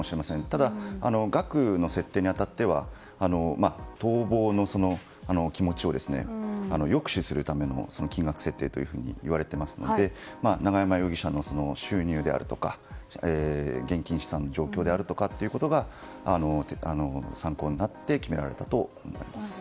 ただ、額の設定に当たっては逃亡の気持ちを抑止するための金額設定といわれていますので永山容疑者の収入であるとか現金資産の状況が参考になって決められたとみられます。